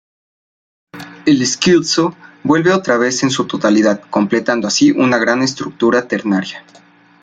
El Scherzo vuelve otra vez en su totalidad, completando así una gran estructura ternaria.